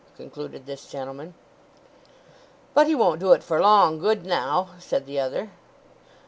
concluded this gentleman. "But he won't do it for long, good now," said the other.